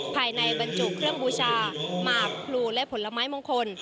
ภายในบรรจุเครื่องบูชาหมากพลูและผลไม้มงคล